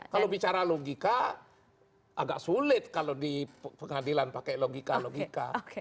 kalau bicara logika agak sulit kalau di pengadilan pakai logika logika